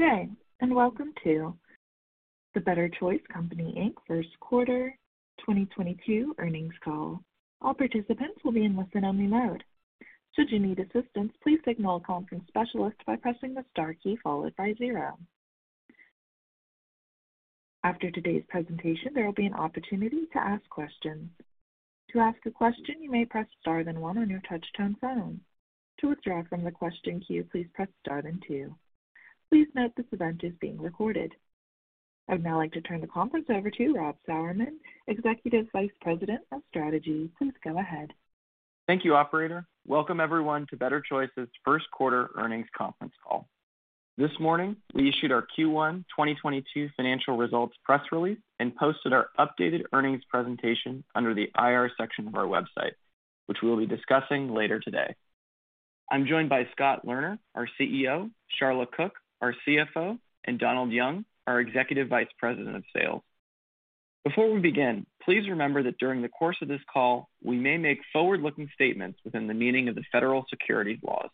Good day, and Welcome to the Better Choice Company Inc. Q1 2022 Earnings Call. All participants will be in listen-only mode. Should you need assistance, please signal a conference specialist by pressing the star key followed by zero. After today's presentation, there will be an opportunity to ask questions. To ask a question, you may press star then one on your touch-tone phone. To withdraw from the question queue, please press star then two. Please note this event is being recorded. I would now like to turn the conference over to Rob Sauermilch, Executive Vice President of Strategy. Please go ahead. Thank you, operator. Welcome everyone to Better Choice's Q1 earnings conference call. This morning, we issued our Q1 2022 financial results press release and posted our updated earnings presentation under the IR section of our website, which we'll be discussing later today. I'm joined by Scott Lerner, our CEO, Sharla Cook, our CFO, and Donald Young, our Executive Vice President of Sales. Before we begin, please remember that during the course of this call, we may make forward-looking statements within the meaning of the federal securities laws.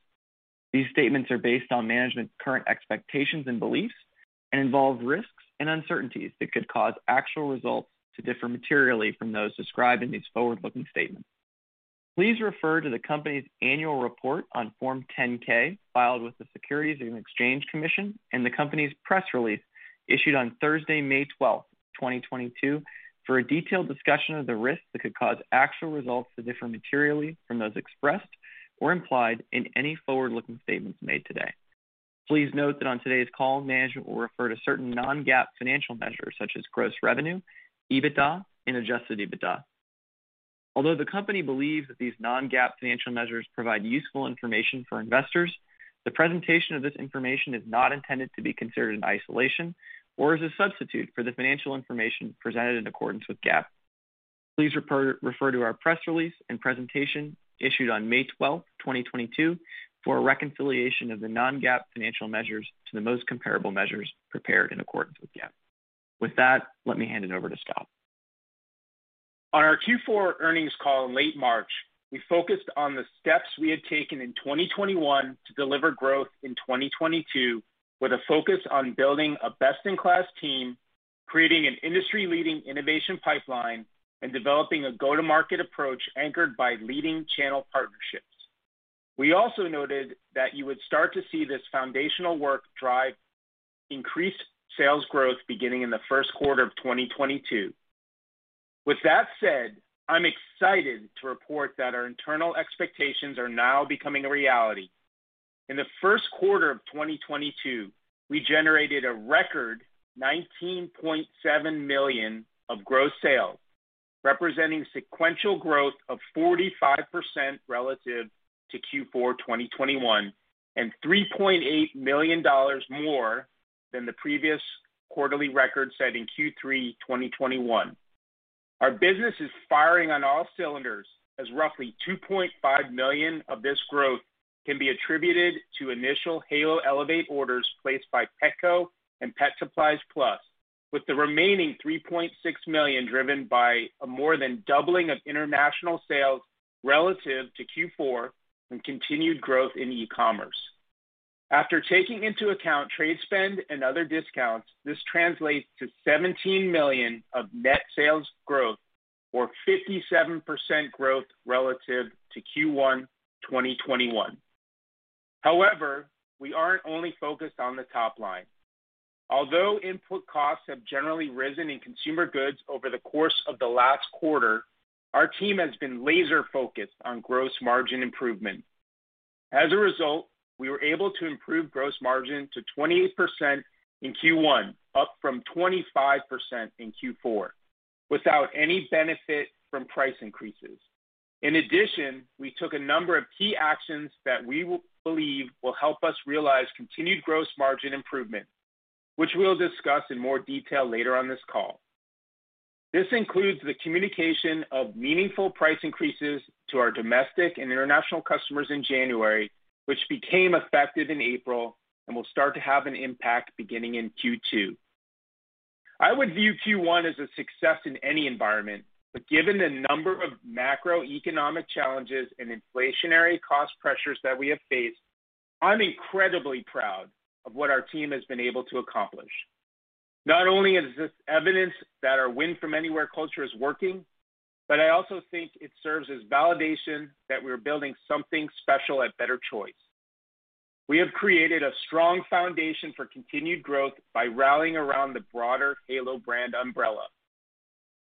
These statements are based on management's current expectations and beliefs and involve risks and uncertainties that could cause actual results to differ materially from those described in these forward-looking statements. Please refer to the company's annual report on Form 10-K filed with the Securities and Exchange Commission and the company's press release issued on Thursday, May 12, 2022, for a detailed discussion of the risks that could cause actual results to differ materially from those expressed or implied in any forward-looking statements made today. Please note that on today's call, management will refer to certain non-GAAP financial measures such as gross revenue, EBITDA, and Adjusted EBITDA. Although the company believes that these non-GAAP financial measures provide useful information for investors, the presentation of this information is not intended to be considered in isolation or as a substitute for the financial information presented in accordance with GAAP. Please refer to our press release and presentation issued on May 12, 2022 for a reconciliation of the non-GAAP financial measures to the most comparable measures prepared in accordance with GAAP. With that, let me hand it over to Scott. On our Q4 earnings call in late March, we focused on the steps we had taken in 2021 to deliver growth in 2022, with a focus on building a best-in-class team, creating an industry-leading innovation pipeline, and developing a go-to-market approach anchored by leading channel partnerships. We also noted that you would start to see this foundational work drive increased sales growth beginning in the first quarter of 2022. With that said, I'm excited to report that our internal expectations are now becoming a reality. In the first quarter of 2022, we generated a record $19.7 million of gross sales, representing sequential growth of 45% relative to Q4 2021, and $3.8 million more than the previous quarterly record set in Q3 2021. Our business is firing on all cylinders as roughly $2.5 million of this growth can be attributed to initial Halo Elevate orders placed by Petco and Pet Supplies Plus, with the remaining $3.6 million driven by a more than doubling of international sales relative to Q4 and continued growth in e-commerce. After taking into account trade spend and other discounts, this translates to $17 million of net sales growth or 57% growth relative to Q1 2021. However, we aren't only focused on the top line. Although input costs have generally risen in consumer goods over the course of the last quarter, our team has been laser-focused on gross margin improvement. As a result, we were able to improve gross margin to 28% in Q1, up from 25% in Q4, without any benefit from price increases. In addition, we took a number of key actions that we believe will help us realize continued gross margin improvement, which we'll discuss in more detail later on this call. This includes the communication of meaningful price increases to our domestic and international customers in January, which became effective in April and will start to have an impact beginning in Q2. I would view Q1 as a success in any environment, but given the number of macroeconomic challenges and inflationary cost pressures that we have faced, I'm incredibly proud of what our team has been able to accomplish. Not only is this evidence that our Win From Anywhere culture is working, but I also think it serves as validation that we're building something special at Better Choice. We have created a strong foundation for continued growth by rallying around the broader Halo brand umbrella.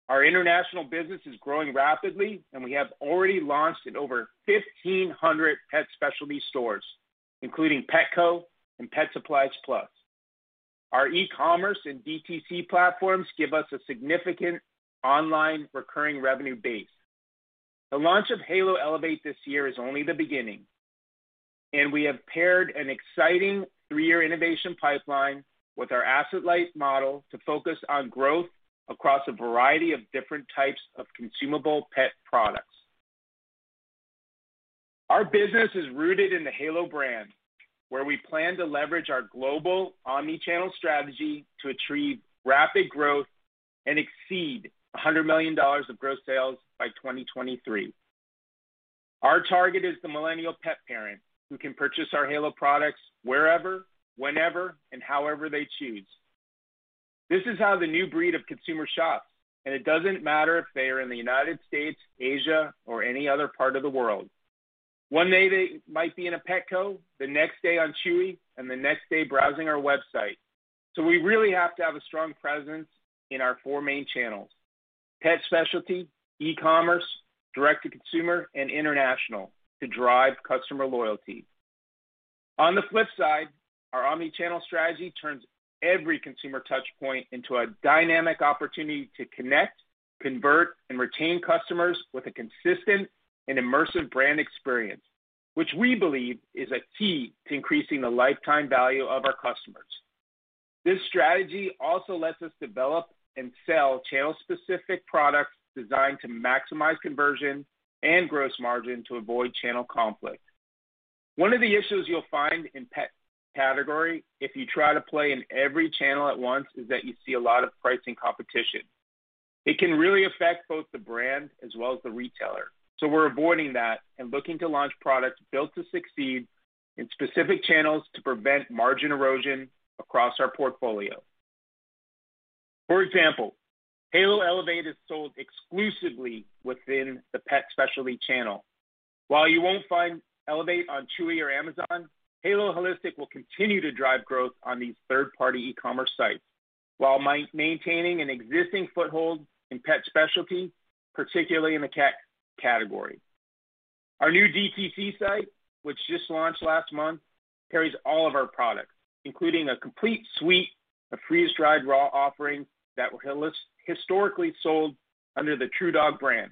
Our international business is growing rapidly, and we have already launched in over 1,500 pet specialty stores, including Petco and Pet Supplies Plus. Our e-commerce and DTC platforms give us a significant online recurring revenue base. The launch of Halo Elevate this year is only the beginning, and we have paired an exciting three-year innovation pipeline with our asset-light model to focus on growth across a variety of different types of consumable pet products. Our business is rooted in the Halo brand, where we plan to leverage our global omni-channel strategy to achieve rapid growth and exceed $100 million of gross sales by 2023. Our target is the millennial pet parent who can purchase our Halo products wherever, whenever, and however they choose. This is how the new breed of consumer shops, and it doesn't matter if they are in the United States, Asia, or any other part of the world. One day they might be in a Petco, the next day on Chewy, and the next day browsing our website. We really have to have a strong presence in our four main channels, pet specialty, e-commerce, direct-to-consumer, and international, to drive customer loyalty. On the flip side, our omni-channel strategy turns every consumer touch point into a dynamic opportunity to connect, convert, and retain customers with a consistent and immersive brand experience, which we believe is a key to increasing the lifetime value of our customers. This strategy also lets us develop and sell channel-specific products designed to maximize conversion and gross margin to avoid channel conflict. One of the issues you'll find in pet category if you try to play in every channel at once is that you see a lot of pricing competition. It can really affect both the brand as well as the retailer. We're avoiding that and looking to launch products built to succeed in specific channels to prevent margin erosion across our portfolio. For example, Halo Elevate is sold exclusively within the pet specialty channel. While you won't find Elevate on Chewy or Amazon, Halo Holistic will continue to drive growth on these third-party e-commerce sites while maintaining an existing foothold in pet specialty, particularly in the cat category. Our new DTC site, which just launched last month, carries all of our products, including a complete suite of freeze-dried raw offerings that were historically sold under the TruDog brand.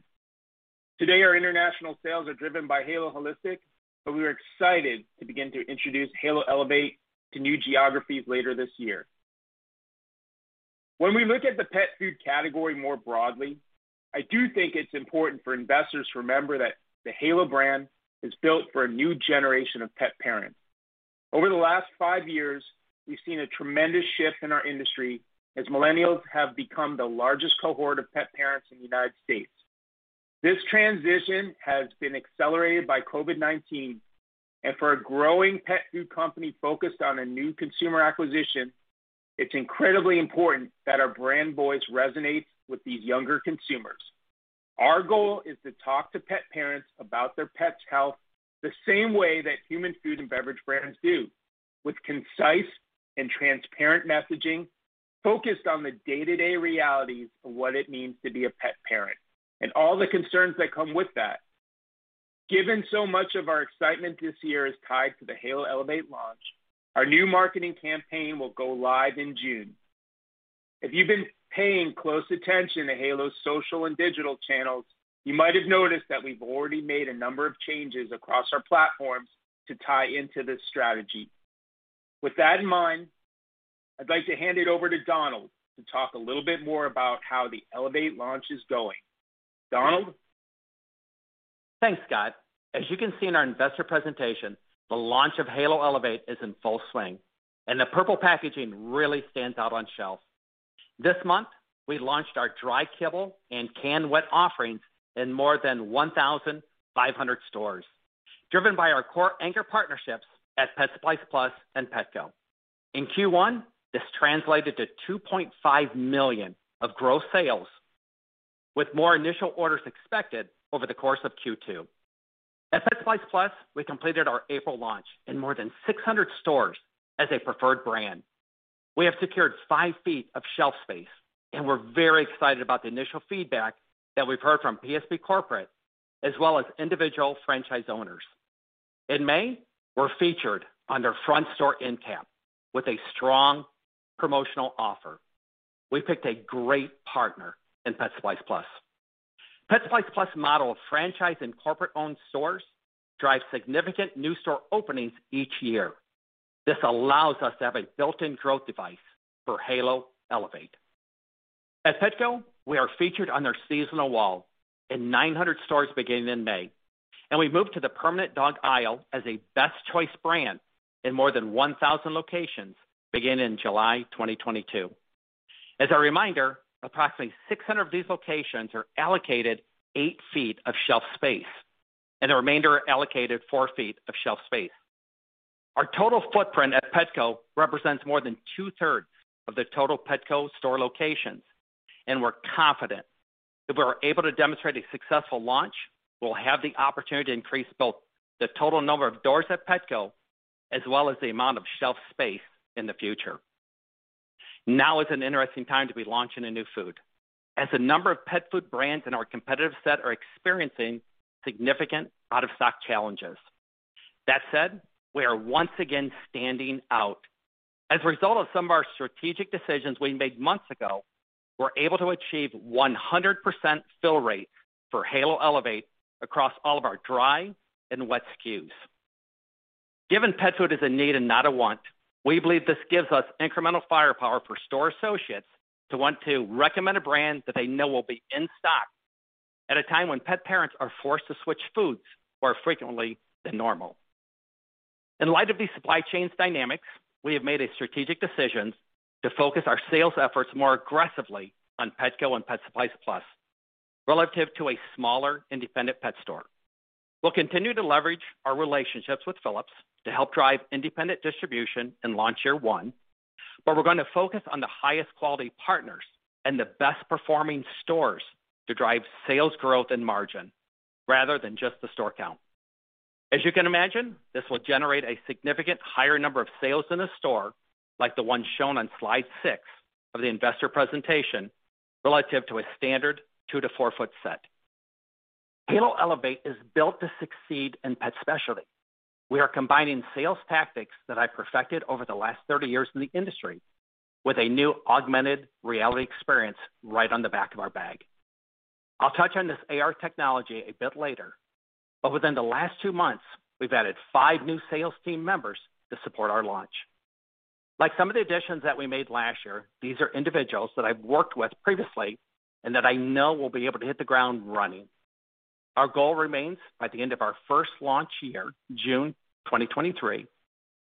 Today, our international sales are driven by Halo Holistic, but we are excited to begin to introduce Halo Elevate to new geographies later this year. When we look at the pet food category more broadly, I do think it's important for investors to remember that the Halo brand is built for a new generation of pet parents. Over the last five years, we've seen a tremendous shift in our industry as millennials have become the largest cohort of pet parents in the United States. This transition has been accelerated by COVID-19, and for a growing pet food company focused on a new consumer acquisition, it's incredibly important that our brand voice resonates with these younger consumers. Our goal is to talk to pet parents about their pet's health the same way that human food and beverage brands do, with concise and transparent messaging focused on the day-to-day realities of what it means to be a pet parent, and all the concerns that come with that. Given so much of our excitement this year is tied to the Halo Elevate launch, our new marketing campaign will go live in June. If you've been paying close attention to Halo's social and digital channels, you might have noticed that we've already made a number of changes across our platforms to tie into this strategy. With that in mind, I'd like to hand it over to Donald to talk a little bit more about how the Elevate launch is going. Donald? Thanks, Scott. As you can see in our investor presentation, the launch of Halo Elevate is in full swing, and the purple packaging really stands out on shelves. This month, we launched our dry kibble and canned wet offerings in more than 1,500 stores, driven by our core anchor partnerships at Pet Supplies Plus and Petco. In Q1, this translated to $2.5 million of growth sales, with more initial orders expected over the course of Q2. At Pet Supplies Plus, we completed our April launch in more than 600 stores as a preferred brand. We have secured five feet of shelf space, and we're very excited about the initial feedback that we've heard from PSP corporate as well as individual franchise owners. In May, we're featured on their front store end cap with a strong promotional offer. We picked a great partner in Pet Supplies Plus. Pet Supplies Plus' model of franchise and corporate-owned stores drives significant new store openings each year. This allows us to have a built-in growth device for Halo Elevate. At Petco, we are featured on their seasonal wall in 900 stores beginning in May, and we move to the permanent dog aisle as a Better Choice brand in more than 1,000 locations beginning in July 2022. As a reminder, approximately 600 of these locations are allocated eight feet of shelf space, and the remainder are allocated four feet of shelf space. Our total footprint at Petco represents more than two-thirds of the total Petco store locations, and we're confident if we're able to demonstrate a successful launch, we'll have the opportunity to increase both the total number of doors at Petco as well as the amount of shelf space in the future. Now is an interesting time to be launching a new food, as a number of pet food brands in our competitive set are experiencing significant out-of-stock challenges. That said, we are once again standing out. As a result of some of our strategic decisions we made months ago, we're able to achieve 100% fill rate for Halo Elevate across all of our dry and wet SKUs. Given pet food is a need and not a want, we believe this gives us incremental firepower for store associates to want to recommend a brand that they know will be in stock at a time when pet parents are forced to switch foods more frequently than normal. In light of these supply chain dynamics, we have made a strategic decision to focus our sales efforts more aggressively on Petco and Pet Supplies Plus relative to a smaller independent pet store. We'll continue to leverage our relationships with Phillips to help drive independent distribution in launch year one, but we're gonna focus on the highest quality partners and the best performing stores to drive sales growth and margin rather than just the store count. As you can imagine, this will generate a significantly higher number of sales in a store like the one shown on slide six of the investor presentation relative to a standard two-four foot set. Halo Elevate is built to succeed in pet specialty. We are combining sales tactics that I've perfected over the last 30 years in the industry with a new augmented reality experience right on the back of our bag. I'll touch on this AR technology a bit later, but within the last two months, we've added five new sales team members to support our launch. Like some of the additions that we made last year, these are individuals that I've worked with previously and that I know will be able to hit the ground running. Our goal remains by the end of our first launch year, June 2023,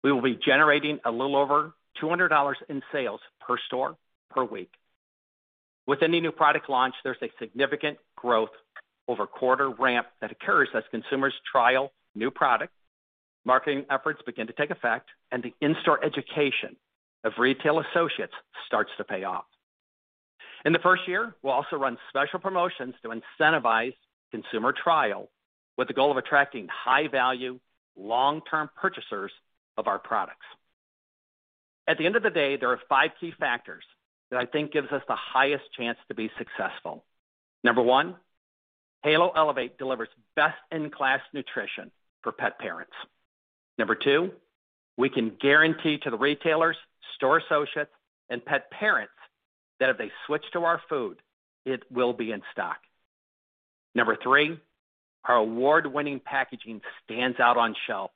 we will be generating a little over $200 in sales per store per week. With any new product launch, there's a significant growth over quarter ramp that occurs as consumers trial new product, marketing efforts begin to take effect, and the in-store education of retail associates starts to pay off. In the first year, we'll also run special promotions to incentivize consumer trial with the goal of attracting high-value, long-term purchasers of our products. At the end of the day, there are five key factors that I think gives us the highest chance to be successful. Number one, Halo Elevate delivers best-in-class nutrition for pet parents. Number two, we can guarantee to the retailers, store associates, and pet parents that if they switch to our food, it will be in stock. Number three, our award-winning packaging stands out on shelf,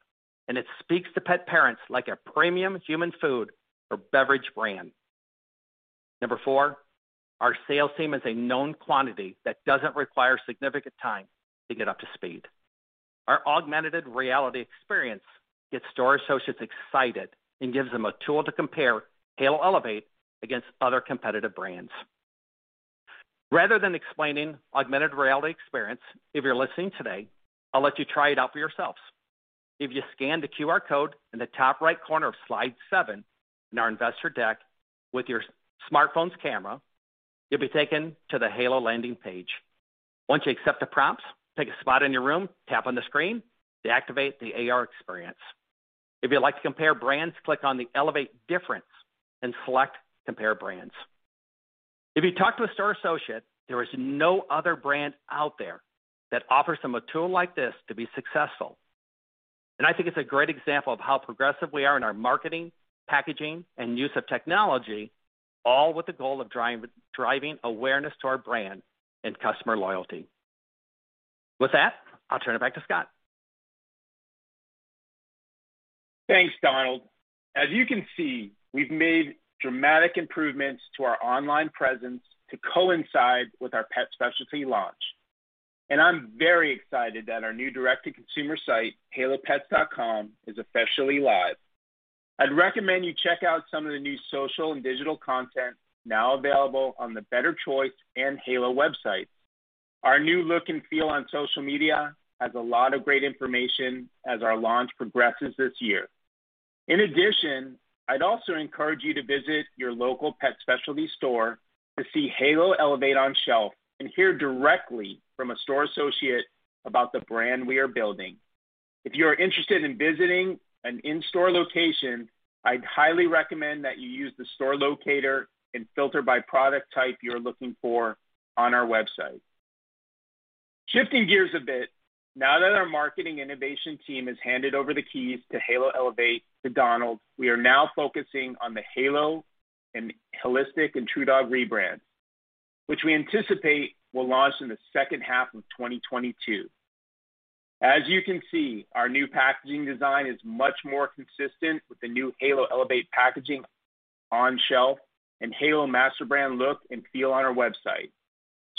and it speaks to pet parents like a premium human food or beverage brand. Number four, our sales team is a known quantity that doesn't require significant time to get up to speed. Our augmented reality experience gets store associates excited and gives them a tool to compare Halo Elevate against other competitive brands. Rather than explaining augmented reality experience, if you're listening today, I'll let you try it out for yourselves. If you scan the QR code in the top right corner of slide seven in our investor deck with your smartphone's camera, you'll be taken to the Halo landing page. Once you accept the prompts, pick a spot in your room, tap on the screen to activate the AR experience. If you'd like to compare brands, click on the Elevate Difference and select Compare Brands. If you talk to a store associate, there is no other brand out there that offers them a tool like this to be successful. I think it's a great example of how progressive we are in our marketing, packaging, and use of technology, all with the goal of driving awareness to our brand and customer loyalty. With that, I'll turn it back to Scott. Thanks, Donald. As you can see, we've made dramatic improvements to our online presence to coincide with our pet specialty launch, and I'm very excited that our new direct-to-consumer site, halopets.com, is officially live. I'd recommend you check out some of the new social and digital content now available on the Better Choice and Halo websites. Our new look and feel on social media has a lot of great information as our launch progresses this year. In addition, I'd also encourage you to visit your local pet specialty store to see Halo Elevate on shelf and hear directly from a store associate about the brand we are building. If you're interested in visiting an in-store location, I'd highly recommend that you use the store locator and filter by product type you're looking for on our website. Shifting gears a bit, now that our marketing innovation team has handed over the keys to Halo Elevate to Donald, we are now focusing on the Halo Holistic and TruDog rebrand, which we anticipate will launch in the second half of 2022. As you can see, our new packaging design is much more consistent with the new Halo Elevate packaging on shelf and Halo master brand look and feel on our website.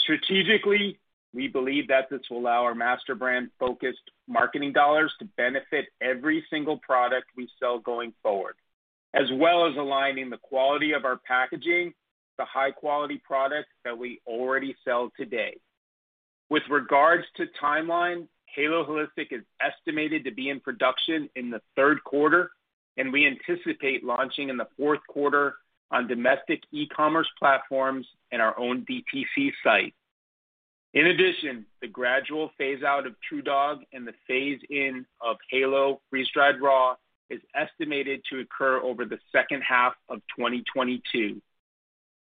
Strategically, we believe that this will allow our master brand-focused marketing dollars to benefit every single product we sell going forward, as well as aligning the quality of our packaging to high quality products that we already sell today. With regards to timeline, Halo Holistic is estimated to be in production in the third quarter, and we anticipate launching in the fourth quarter on domestic e-commerce platforms and our own DTC site. In addition, the gradual phase out of TruDog and the phase in of Halo Freeze-Dried Raw is estimated to occur over the second half of 2022.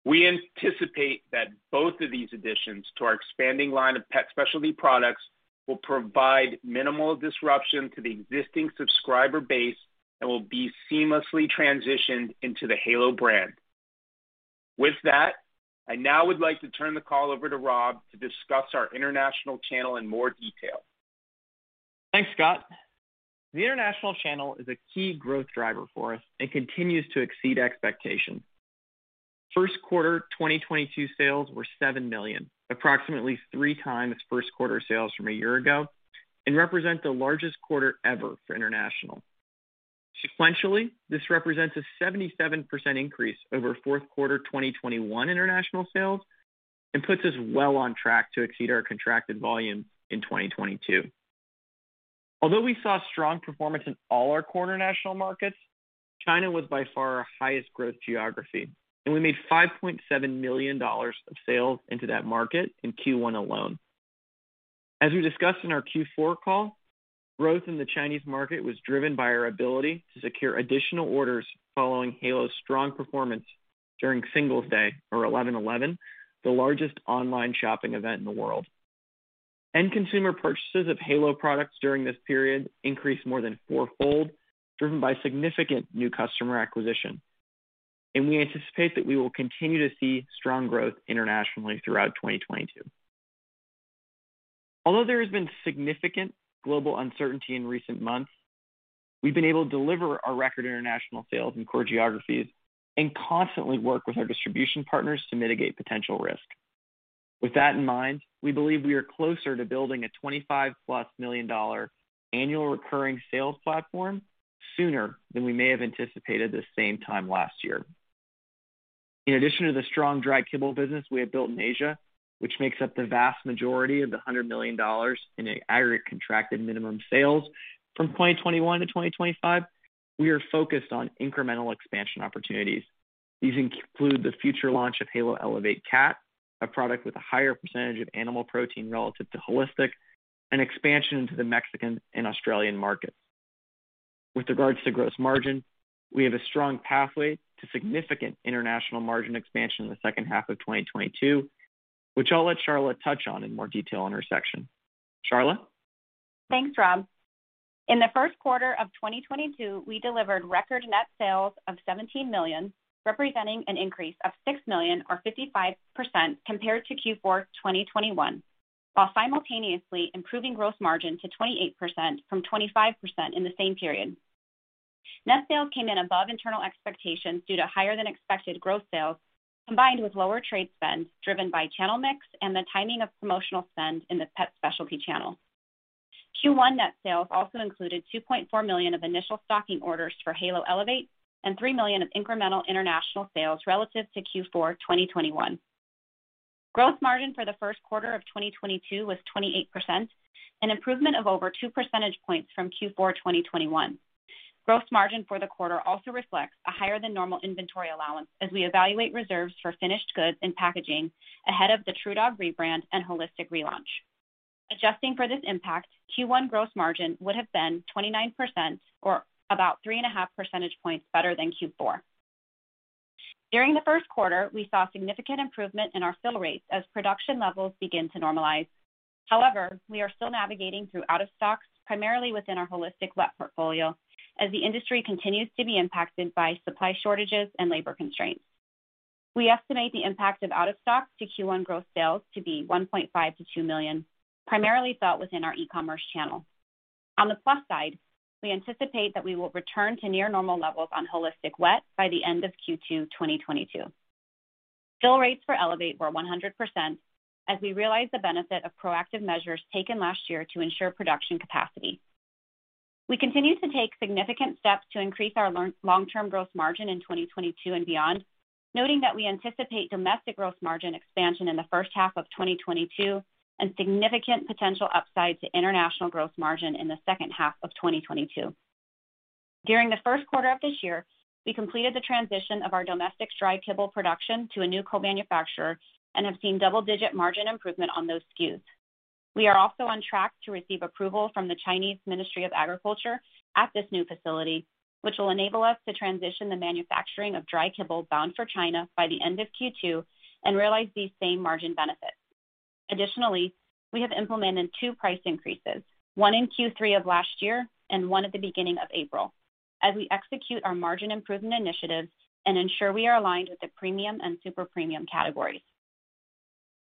We anticipate that both of these additions to our expanding line of pet specialty products will provide minimal disruption to the existing subscriber base and will be seamlessly transitioned into the Halo brand. With that, I now would like to turn the call over to Rob to discuss our international channel in more detail. Thanks, Scott. The international channel is a key growth driver for us and continues to exceed expectations. First quarter 2022 sales were $7 million, approximately three times first quarter sales from a year ago, and represent the largest quarter ever for international. Sequentially, this represents a 77% increase over fourth quarter 2021 international sales and puts us well on track to exceed our contracted volume in 2022. Although we saw strong performance in all our core international markets, China was by far our highest growth geography, and we made $5.7 million of sales into that market in Q1 alone. As we discussed in our Q4 call, growth in the Chinese market was driven by our ability to secure additional orders following Halo's strong performance during Singles' Day or 11.11, the largest online shopping event in the world. End consumer purchases of Halo products during this period increased more than four-fold, driven by significant new customer acquisition. We anticipate that we will continue to see strong growth internationally throughout 2022. Although there has been significant global uncertainty in recent months, we've been able to deliver our record international sales in core geographies and constantly work with our distribution partners to mitigate potential risk. With that in mind, we believe we are closer to building a $25+ million annual recurring sales platform sooner than we may have anticipated this same time last year. In addition to the strong dry kibble business we have built in Asia, which makes up the vast majority of the $100 million in aggregate contracted minimum sales from 2021 to 2025, we are focused on incremental expansion opportunities. These include the future launch of Halo Elevate Cat, a product with a higher percentage of animal protein relative to holistic, and expansion into the Mexican and Australian markets. With regards to gross margin, we have a strong pathway to significant international margin expansion in the second half of 2022, which I'll let Sharla touch on in more detail in her section. Sharla? Thanks, Rob. In the first quarter of 2022, we delivered record net sales of $17 million, representing an increase of $6 million or 55% compared to Q4 2021, while simultaneously improving gross margin to 28% from 25% in the same period. Net sales came in above internal expectations due to higher than expected gross sales, combined with lower trade spends driven by channel mix and the timing of promotional spend in the pet specialty channel. Q1 net sales also included $2.4 million of initial stocking orders for Halo Elevate and $3 million of incremental international sales relative to Q4 2021. Gross margin for the first quarter of 2022 was 28%, an improvement of over two percentage points from Q4 2021. Gross margin for the quarter also reflects a higher than normal inventory allowance as we evaluate reserves for finished goods and packaging ahead of the TruDog rebrand and Halo Holistic relaunch. Adjusting for this impact, Q1 gross margin would have been 29% or about 3.5 percentage points better than Q4. During the first quarter, we saw significant improvement in our fill rates as production levels begin to normalize. However, we are still navigating through out-of-stocks, primarily within our Halo Holistic wet portfolio, as the industry continues to be impacted by supply shortages and labor constraints. We estimate the impact of out-of-stocks to Q1 gross sales to be $1.5 million-$2 million, primarily felt within our e-commerce channel. On the plus side, we anticipate that we will return to near normal levels on Halo Holistic wet by the end of Q2 2022. Fill rates for Elevate were 100% as we realize the benefit of proactive measures taken last year to ensure production capacity. We continue to take significant steps to increase our long-term growth margin in 2022 and beyond, noting that we anticipate domestic growth margin expansion in the first half of 2022 and significant potential upside to international growth margin in the second half of 2022. During the first quarter of this year, we completed the transition of our domestic dry kibble production to a new co-manufacturer and have seen double-digit margin improvement on those SKUs. We are also on track to receive approval from the Chinese Ministry of Agriculture at this new facility, which will enable us to transition the manufacturing of dry kibble bound for China by the end of Q2 and realize these same margin benefits. Additionally, we have implemented two price increases, one in Q3 of last year and one at the beginning of April, as we execute our margin improvement initiatives and ensure we are aligned with the premium and super premium categories.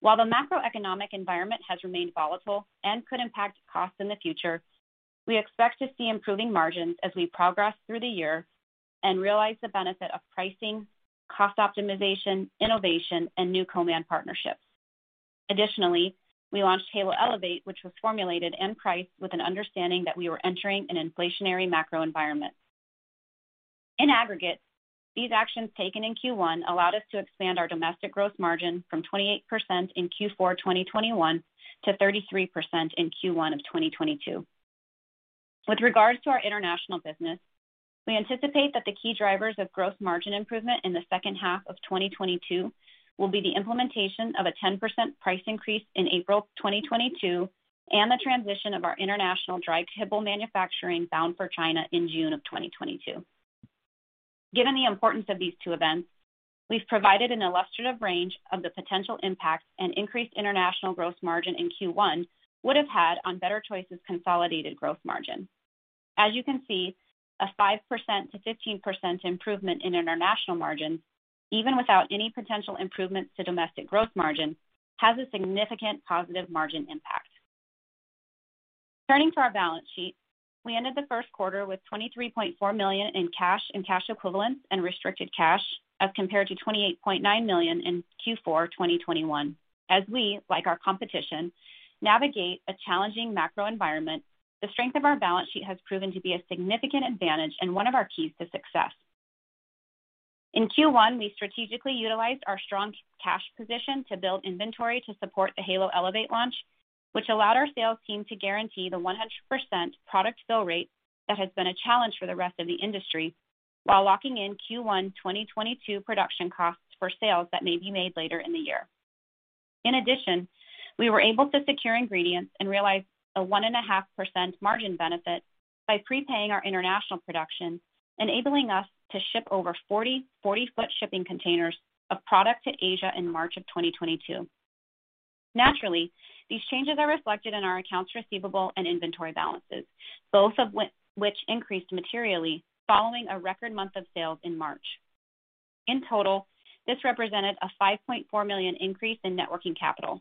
While the macroeconomic environment has remained volatile and could impact costs in the future, we expect to see improving margins as we progress through the year and realize the benefit of pricing, cost optimization, innovation, and new co-man partnerships. Additionally, we launched Halo Elevate, which was formulated and priced with an understanding that we were entering an inflationary macro environment. In aggregate, these actions taken in Q1 allowed us to expand our domestic growth margin from 28% in Q4 2021 to 33% in Q1 of 2022. With regards to our international business, we anticipate that the key drivers of growth margin improvement in the second half of 2022 will be the implementation of a 10% price increase in April 2022 and the transition of our international dry kibble manufacturing bound for China in June 2022. Given the importance of these two events, we've provided an illustrative range of the potential impacts an increased international growth margin in Q1 would have had on Better Choice's consolidated growth margin. As you can see, a 5%-15% improvement in international margin, even without any potential improvements to domestic growth margin, has a significant positive margin impact. Turning to our balance sheet. We ended the first quarter with $23.4 million in cash and cash equivalents and restricted cash as compared to $28.9 million in Q4 2021. As we, like our competition, navigate a challenging macro environment, the strength of our balance sheet has proven to be a significant advantage and one of our keys to success. In Q1, we strategically utilized our strong cash position to build inventory to support the Halo Elevate launch, which allowed our sales team to guarantee the 100% product fill rate that has been a challenge for the rest of the industry while locking in Q1 2022 production costs for sales that may be made later in the year. In addition, we were able to secure ingredients and realize a 1.5% margin benefit by prepaying our international production, enabling us to ship over 40 forty-foot shipping containers of product to Asia in March 2022. Naturally, these changes are reflected in our accounts receivable and inventory balances, both of which increased materially following a record month of sales in March. In total, this represented a $5.4 million increase in net working capital.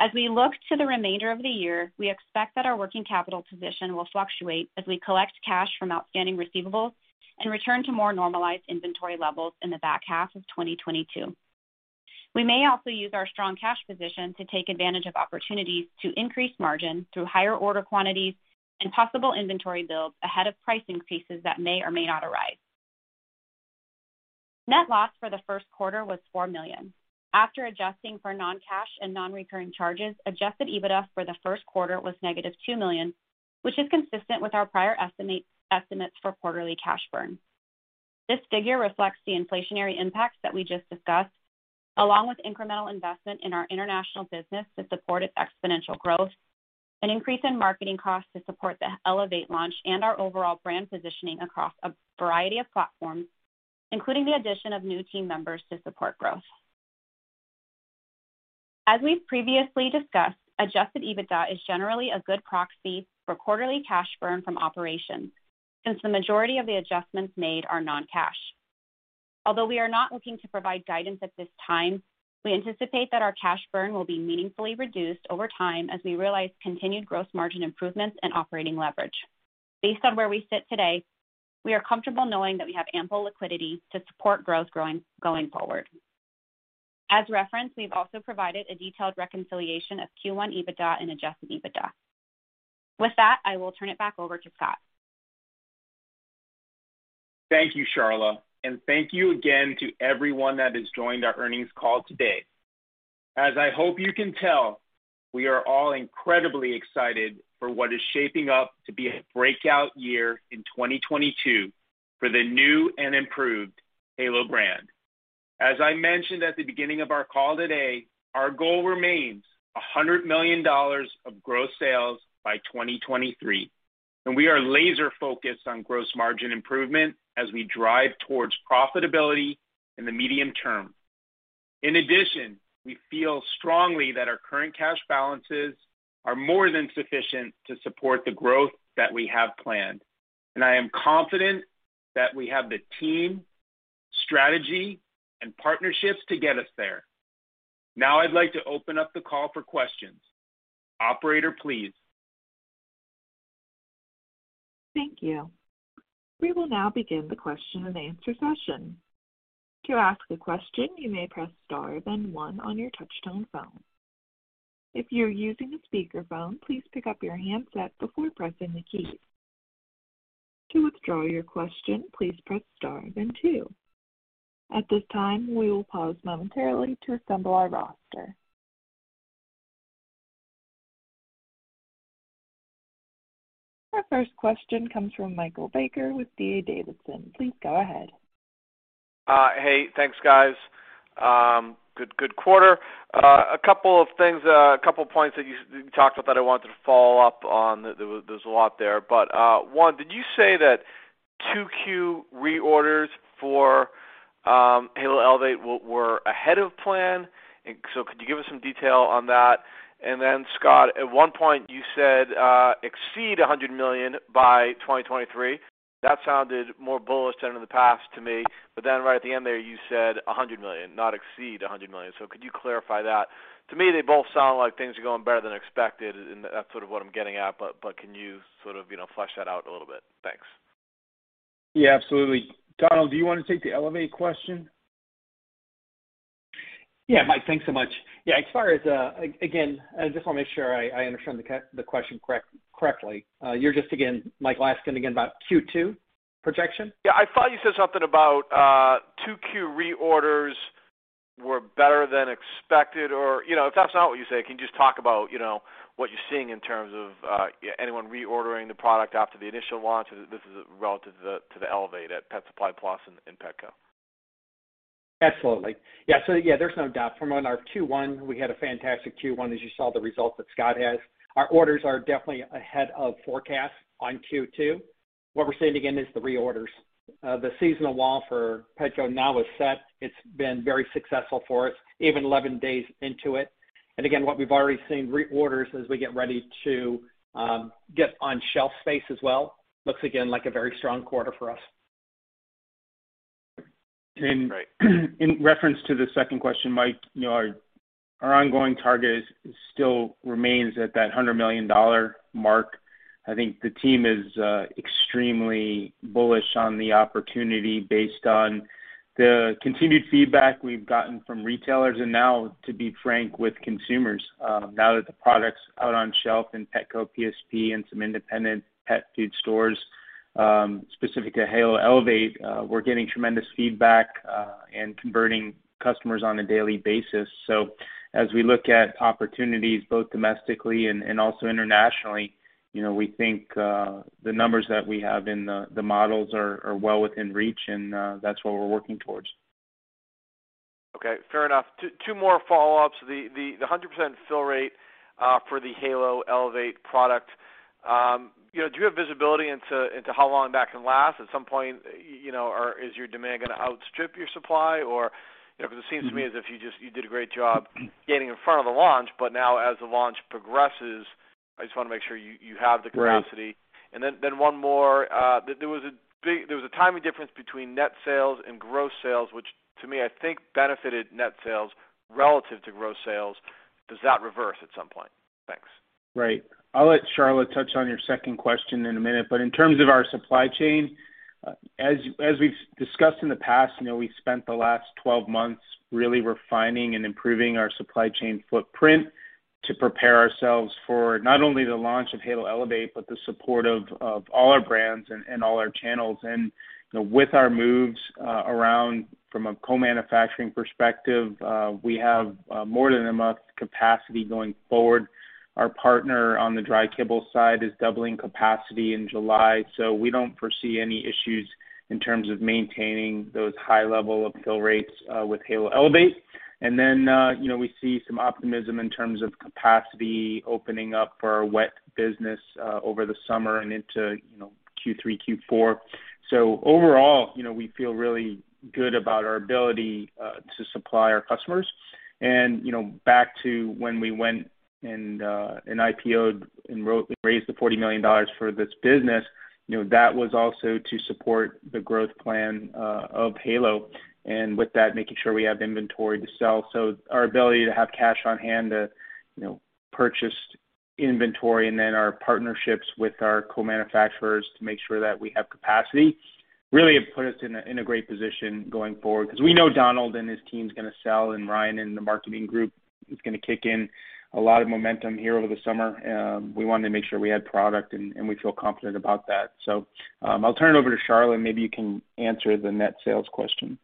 As we look to the remainder of the year, we expect that our working capital position will fluctuate as we collect cash from outstanding receivables and return to more normalized inventory levels in the back half of 2022. We may also use our strong cash position to take advantage of opportunities to increase margin through higher order quantities and possible inventory builds ahead of pricing pieces that may or may not arise. Net loss for the first quarter was $4 million. After adjusting for non-cash and non-recurring charges, Adjusted EBITDA for the first quarter was -$2 million, which is consistent with our prior estimates for quarterly cash burn. This figure reflects the inflationary impacts that we just discussed, along with incremental investment in our international business to support its exponential growth, an increase in marketing costs to support the Elevate launch and our overall brand positioning across a variety of platforms, including the addition of new team members to support growth. As we've previously discussed, Adjusted EBITDA is generally a good proxy for quarterly cash burn from operations since the majority of the adjustments made are non-cash. Although we are not looking to provide guidance at this time, we anticipate that our cash burn will be meaningfully reduced over time as we realize continued gross margin improvements and operating leverage. Based on where we sit today, we are comfortable knowing that we have ample liquidity to support growth, going forward. As referenced, we've also provided a detailed reconciliation of Q1 EBITDA and Adjusted EBITDA. With that, I will turn it back over to Scott. Thank you, Sharla, and thank you again to everyone that has joined our earnings call today. As I hope you can tell, we are all incredibly excited for what is shaping up to be a breakout year in 2022 for the new and improved Halo brand. As I mentioned at the beginning of our call today, our goal remains $100 million of gross sales by 2023, and we are laser focused on gross margin improvement as we drive towards profitability in the medium term. In addition, we feel strongly that our current cash balances are more than sufficient to support the growth that we have planned. I am confident that we have the team, strategy, and partnerships to get us there. Now, I'd like to open up the call for questions. Operator, please. Thank you. We will now begin the question and answer session. To ask a question, you may press Star, then one on your touchtone phone. If you're using a speakerphone, please pick up your handset before pressing the key. To withdraw your question, please press Star then two. At this time, we will pause momentarily to assemble our roster. Our first question comes from Michael Baker with D.A. Davidson. Please go ahead. Hey, thanks, guys. Good quarter. A couple of things, a couple of points that you talked about that I wanted to follow up on. There's a lot there. One, did you say that 2Q reorders for Halo Elevate were ahead of plan? Could you give us some detail on that? Then, Scott, at one point you said exceed $100 million by 2023. That sounded more bullish than in the past to me. Right at the end there, you said $100 million, not exceed $100 million. Could you clarify that? To me, they both sound like things are going better than expected, and that's sort of what I'm getting at. Can you sort of, you know, flesh that out a little bit? Thanks. Yeah, absolutely. Donald, do you want to take the Elevate question? Yeah. Mike, thanks so much. Yeah, as far as again, I just wanna make sure I understand the question correctly. You're just again, Mike, asking again about Q2 projection? Yeah. I thought you said something about, 2Q reorders were better than expected, or, you know. If that's not what you said, can you just talk about, you know, what you're seeing in terms of, anyone reordering the product after the initial launch? This is relative to the Elevate at Pet Supplies Plus and Petco. Absolutely. Yeah, so yeah, there's no doubt from when our Q1, we had a fantastic Q1, as you saw the results that Scott has. Our orders are definitely ahead of forecast on Q2. What we're seeing, again, is the reorders. The seasonal wall for Petco now is set. It's been very successful for us, even 11 days into it. Again, what we've already seen reorders as we get ready to get on shelf space as well. Looks again like a very strong quarter for us. In reference to the second question, Mike, you know, our ongoing target is still remains at that $100 million mark. I think the team is extremely bullish on the opportunity based on the continued feedback we've gotten from retailers and now, to be frank, with consumers, now that the product's out on shelf in Petco, PSP, and some independent pet food stores. Specific to Halo Elevate, we're getting tremendous feedback and converting customers on a daily basis. As we look at opportunities both domestically and also internationally, you know, we think the numbers that we have in the models are well within reach and that's what we're working towards. Okay. Fair enough. Two more follow-ups. The 100% fill rate for the Halo Elevate product, you know, do you have visibility into how long that can last? At some point, you know, is your demand gonna outstrip your supply or, you know, 'cause it seems to me as if you did a great job getting in front of the launch, but now as the launch progresses, I just wanna make sure you have the capacity. Right. One more. There was a timing difference between net sales and gross sales, which to me, I think benefited net sales relative to gross sales. Does that reverse at some point? Thanks. Right. I'll let Sharla touch on your second question in a minute, but in terms of our supply chain, as we've discussed in the past, you know, we spent the last 12 months really refining and improving our supply chain footprint to prepare ourselves for not only the launch of Halo Elevate, but the support of all our brands and all our channels. You know, with our moves around from a co-manufacturing perspective, we have more than enough capacity going forward. Our partner on the dry kibble side is doubling capacity in July, so we don't foresee any issues in terms of maintaining those high level of fill rates with Halo Elevate. We see some optimism in terms of capacity opening up for our wet business over the summer and into Q3, Q4. Overall, you know, we feel really good about our ability to supply our customers. You know, back to when we went and IPO'd and raised $40 million for this business, you know, that was also to support the growth plan of Halo, and with that, making sure we have inventory to sell. Our ability to have cash on hand to, you know, purchase inventory and then our partnerships with our co-manufacturers to make sure that we have capacity really have put us in a great position going forward. 'Cause we know Donald and his team's gonna sell, and Ryan and the marketing group is gonna kick in a lot of momentum here over the summer. We wanted to make sure we had product and we feel confident about that. I'll turn it over to Sharla, and maybe you can answer the net sales question.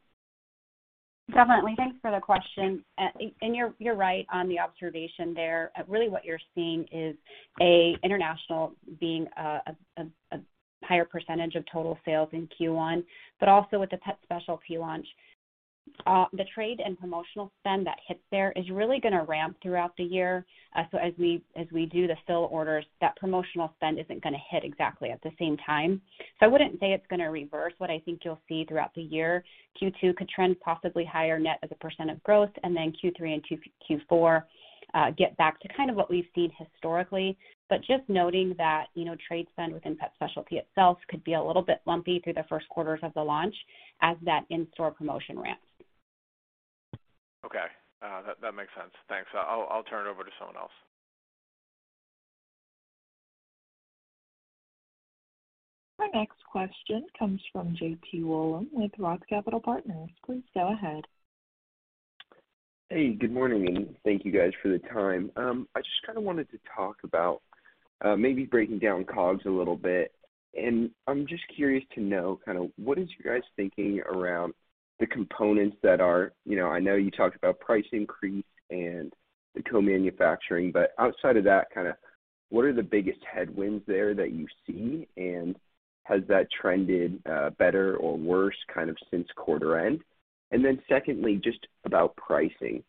Definitely. Thanks for the question. You're right on the observation there. Really what you're seeing is international being a higher percentage of total sales in Q1, but also with the pet specialty launch. The trade and promotional spend that hits there is really gonna ramp throughout the year. As we do the fill orders, that promotional spend isn't gonna hit exactly at the same time. I wouldn't say it's gonna reverse what I think you'll see throughout the year. Q2 could trend possibly higher net as a percent of growth, and then Q3 and Q4 get back to kind of what we've seen historically. just noting that, you know, trade spend within pet specialty itself could be a little bit lumpy through the first quarters of the launch as that in-store promotion ramps. Okay. That makes sense. Thanks. I'll turn it over to someone else. Our next question comes from JP Wollam with ROTH Capital Partners. Please go ahead. Hey, good morning, and thank you guys for the time. I just kinda wanted to talk about, maybe breaking down COGS a little bit. I'm just curious to know kinda what is you guys thinking around the components that are. You know, I know you talked about price increase and the co-manufacturing, but outside of that kinda what are the biggest headwinds there that you see, and has that trended, better or worse kind of since quarter end? Secondly, just about pricing,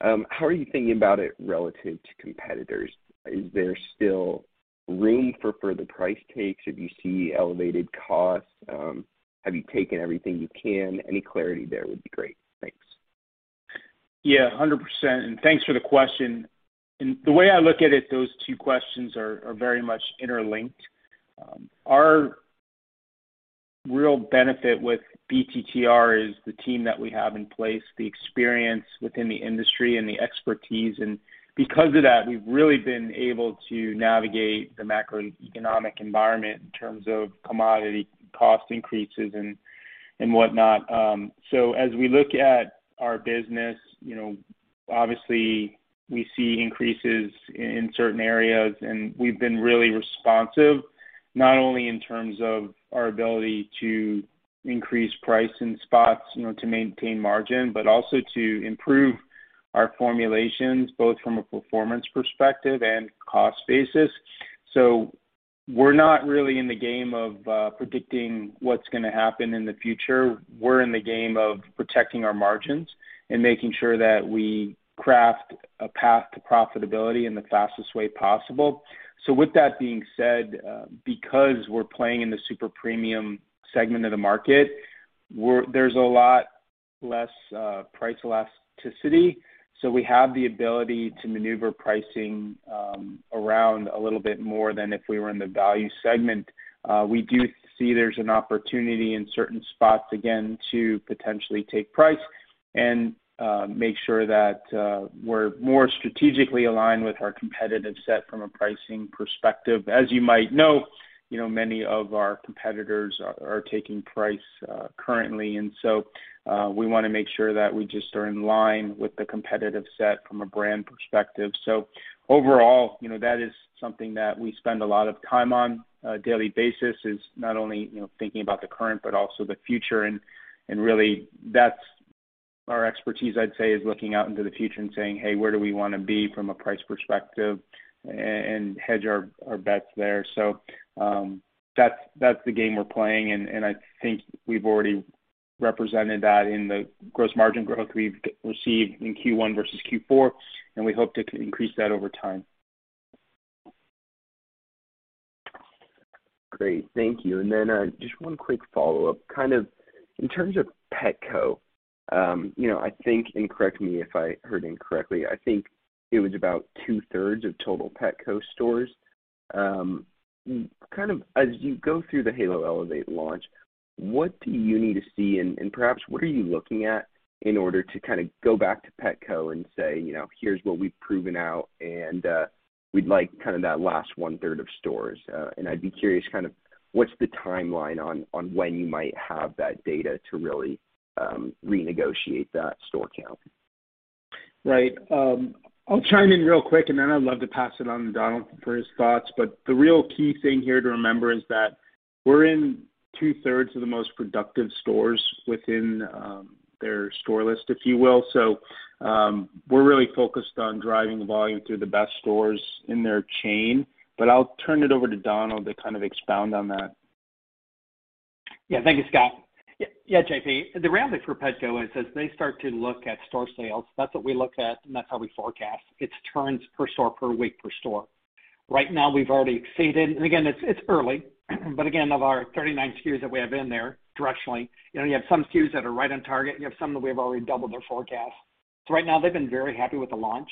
how are you thinking about it relative to competitors? Is there still room for further price takes? If you see elevated costs, have you taken everything you can? Any clarity there would be great. Thanks. Yeah, 100%, and thanks for the question. The way I look at it, those two questions are very much interlinked. Our real benefit with BTTR is the team that we have in place, the experience within the industry and the expertise. Because of that, we've really been able to navigate the macroeconomic environment in terms of commodity cost increases and whatnot. As we look at our business, you know, obviously we see increases in certain areas, and we've been really responsive, not only in terms of our ability to increase price in spots, you know, to maintain margin, but also to improve our formulations, both from a performance perspective and cost basis. We're not really in the game of predicting what's gonna happen in the future. We're in the game of protecting our margins and making sure that we craft a path to profitability in the fastest way possible. With that being said, because we're playing in the super premium segment of the market. There's a lot less price elasticity, so we have the ability to maneuver pricing around a little bit more than if we were in the value segment. We do see there's an opportunity in certain spots, again, to potentially take price and make sure that we're more strategically aligned with our competitive set from a pricing perspective. As you might know, you know, many of our competitors are taking price currently. We wanna make sure that we just are in line with the competitive set from a brand perspective. Overall, you know, that is something that we spend a lot of time on a daily basis, is not only, you know, thinking about the current but also the future. Really that's our expertise, I'd say, is looking out into the future and saying, "Hey, where do we wanna be from a price perspective?" and hedge our bets there. That's the game we're playing, and I think we've already represented that in the gross margin growth we've received in Q1 versus Q4, and we hope to increase that over time. Great. Thank you. Just one quick follow-up. Kind of in terms of Petco, you know, I think, and correct me if I heard incorrectly, I think it was about two-thirds of total Petco stores. Kind of as you go through the Halo Elevate launch, what do you need to see and perhaps what are you looking at in order to kinda go back to Petco and say, you know, "Here's what we've proven out, and we'd like kinda that last one-third of stores." I'd be curious kind of what's the timeline on when you might have that data to really renegotiate that store count? Right. I'll chime in real quick, and then I'd love to pass it on to Donald for his thoughts. The real key thing here to remember is that we're in two-thirds of the most productive stores within their store list, if you will. We're really focused on driving volume through the best stores in their chain. I'll turn it over to Donald to kind of expound on that. Yeah. Thank you, Scott. Yeah, JP, the reality for Petco is as they start to look at store sales, that's what we look at, and that's how we forecast, it's turns per store per week per store. Right now, we've already exceeded. Again, it's early, but again, of our 39 SKUs that we have in there directionally, you know, you have some SKUs that are right on target, and you have some that we have already doubled their forecast. So right now, they've been very happy with the launch.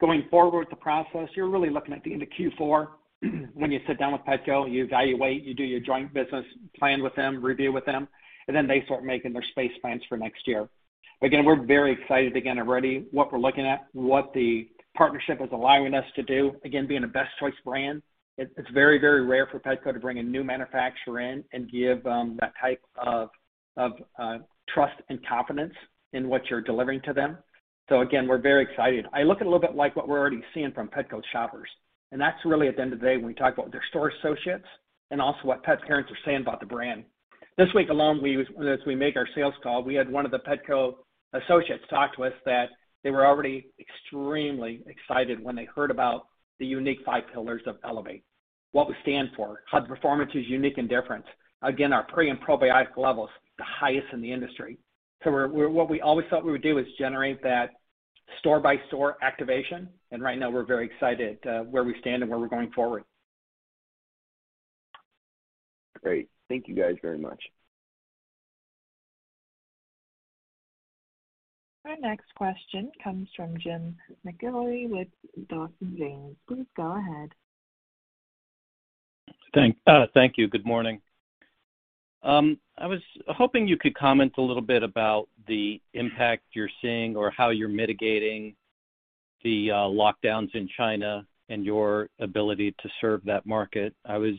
Going forward with the process, you're really looking at the end of Q4 when you sit down with Petco, you evaluate, you do your joint business plan with them, review with them, and then they start making their space plans for next year. Again, we're very excited, again, already what we're looking at, what the partnership is allowing us to do. Again, being a Better Choice brand, it's very rare for Petco to bring a new manufacturer in and give them that type of trust and confidence in what you're delivering to them. We're very excited. I like what we're already seeing from Petco shoppers, and that's really, at the end of the day, when we talk about their store associates and also what pet parents are saying about the brand. This week alone, as we make our sales call, we had one of the Petco associates tell us that they were already extremely excited when they heard about the unique five pillars of Elevate, what we stand for, how the performance is unique and different. Again, our prebiotic and probiotic level is the highest in the industry. What we always thought we would do is generate that store-by-store activation, and right now we're very excited where we stand and where we're going forward. Great. Thank you guys very much. Our next question comes from James McIlree with Dawson James Securities. Please go ahead. Thank you. Good morning. I was hoping you could comment a little bit about the impact you're seeing or how you're mitigating the lockdowns in China and your ability to serve that market. I was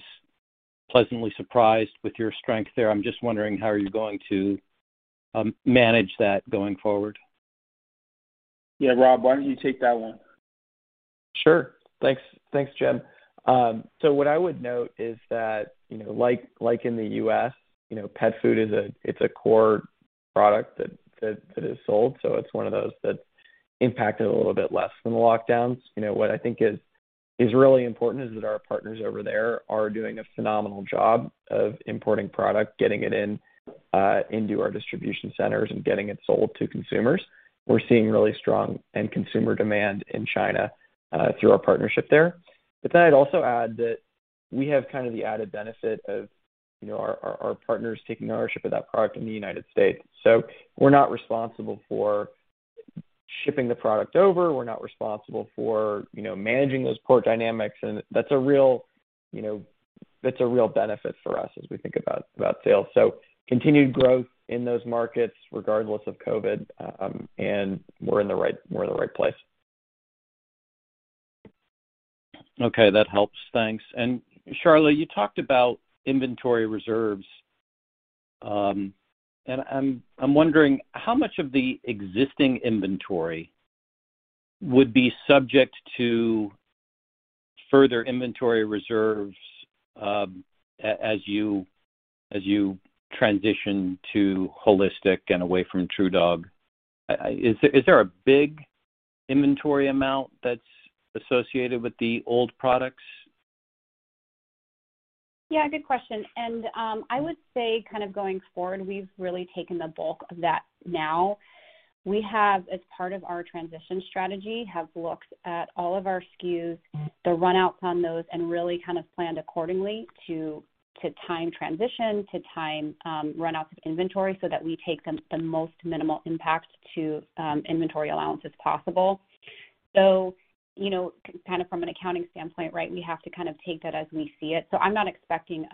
pleasantly surprised with your strength there. I'm just wondering how are you going to manage that going forward. Yeah. Rob, why don't you take that one? Sure. Thanks. Thanks, Jim. What I would note is that, you know, like in the U.S., you know, pet food is a core product that is sold, so it's one of those that impacted a little bit less than the lockdowns. You know, what I think is really important is that our partners over there are doing a phenomenal job of importing product, getting it into our distribution centers and getting it sold to consumers. We're seeing really strong end consumer demand in China through our partnership there. I'd also add that we have kind of the added benefit of, you know, our partners taking ownership of that product in the United States. We're not responsible for shipping the product over. We're not responsible for, you know, managing those port dynamics, and that's a real, you know, benefit for us as we think about sales. Continued growth in those markets regardless of COVID, and we're in the right place. Okay. That helps. Thanks. Sharla, you talked about inventory reserves. I'm wondering how much of the existing inventory would be subject to further inventory reserves, as you transition to Holistic and away from TruDog. Is there a big inventory amount that's associated with the old products? Yeah, good question. I would say kind of going forward, we've really taken the bulk of that now. We have, as part of our transition strategy, looked at all of our SKUs, the runouts on those, and really kind of planned accordingly to time transition, to time runouts of inventory so that we take the most minimal impact to inventory allowance as possible. You know, kind of from an accounting standpoint, right, we have to kind of take that as we see it. I'm not expecting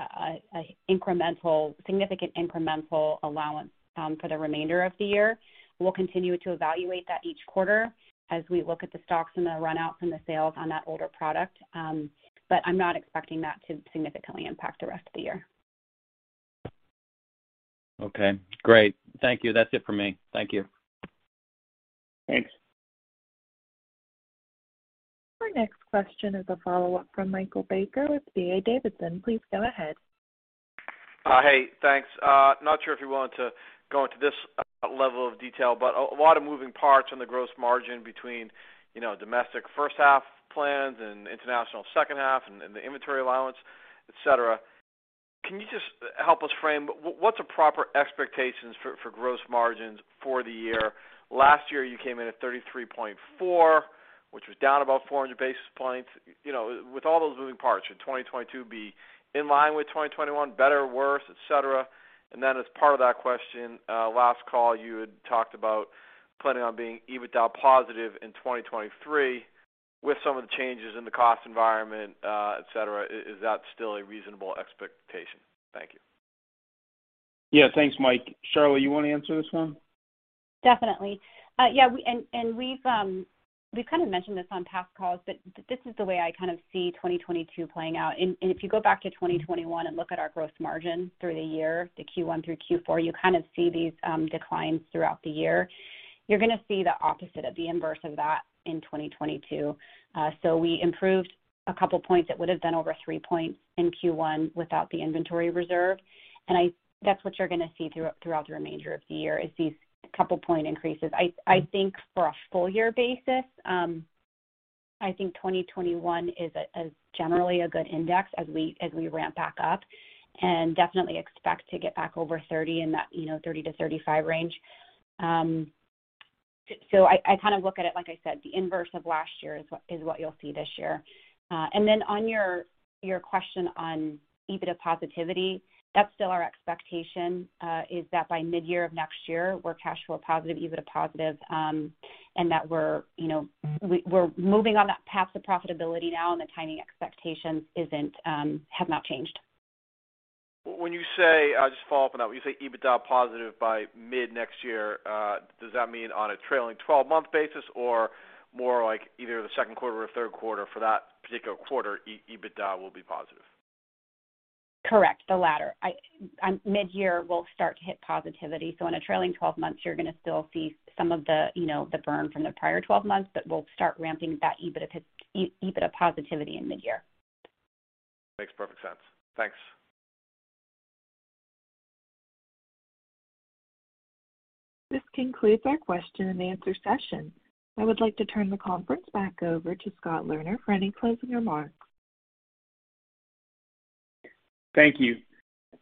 significant incremental allowance for the remainder of the year. We'll continue to evaluate that each quarter as we look at the stocks and the runout from the sales on that older product. I'm not expecting that to significantly impact the rest of the year. Okay, great. Thank you. That's it for me. Thank you. Thanks. Our next question is a follow-up from Michael Baker with D.A. Davidson. Please go ahead. Hey, thanks. Not sure if you're willing to go into this level of detail, but a lot of moving parts on the gross margin between, you know, domestic first half plans and international second half and the inventory allowance, et cetera. Can you just help us frame what's the proper expectations for gross margins for the year? Last year, you came in at 33.4%, which was down about 400 basis points. You know, with all those moving parts, should 2022 be in line with 2021, better or worse, et cetera? As part of that question, last call, you had talked about planning on being EBITDA positive in 2023. With some of the changes in the cost environment, et cetera, is that still a reasonable expectation? Thank you. Yeah. Thanks, Mike. Sharla, you wanna answer this one? Definitely. We've kind of mentioned this on past calls, but this is the way I kind of see 2022 playing out. If you go back to 2021 and look at our gross margin through the year, the Q1 through Q4, you kind of see these declines throughout the year. You're gonna see the opposite of the inverse of that in 2022. We improved a couple points. It would have been over three points in Q1 without the inventory reserve. That's what you're gonna see throughout the remainder of the year, is these couple point increases. I think for a full year basis, 2021 is generally a good index as we ramp back up and definitely expect to get back over 30% in that, you know, 30%-35% range. I kind of look at it, like I said, the inverse of last year is what you'll see this year. On your question on EBITDA positivity, that's still our expectation is that by midyear of next year, we're cash flow positive, EBITDA positive, and that you know we're moving on that path to profitability now, and the timing expectations have not changed. When you say, just to follow up on that, when you say EBITDA positive by mid next year, does that mean on a trailing 12-month basis or more like either the second quarter or third quarter for that particular quarter, EBITDA will be positive? Correct, the latter. I midyear, we'll start to hit positivity. On a trailing twelve months, you're gonna still see some of the, you know, the burn from the prior twelve months, but we'll start ramping that EBITDA positivity in midyear. Makes perfect sense. Thanks. This concludes our question and answer session. I would like to turn the conference back over to Scott Lerner for any closing remarks. Thank you.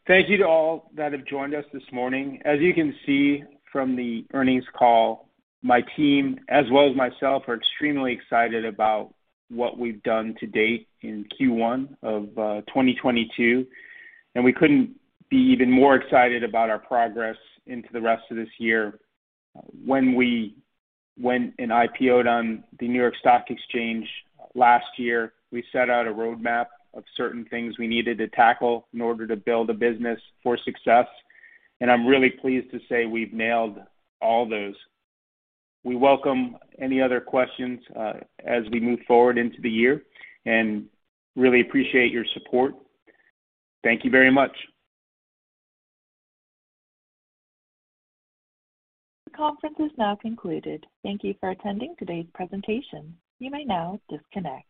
Thank you to all that have joined us this morning. As you can see from the earnings call, my team, as well as myself, are extremely excited about what we've done to date in Q1 of 2022, and we couldn't be even more excited about our progress into the rest of this year. When we went and IPO'd on the New York Stock Exchange last year, we set out a roadmap of certain things we needed to tackle in order to build a business for success, and I'm really pleased to say we've nailed all those. We welcome any other questions, as we move forward into the year and really appreciate your support. Thank you very much. The conference is now concluded. Thank you for attending today's presentation. You may now disconnect.